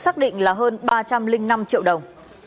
xác định là hơn ba trăm linh năm triệu đồng